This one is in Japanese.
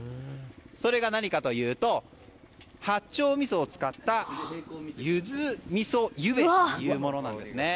それが何かというと八丁みそを使ったユズみそゆべしというものです。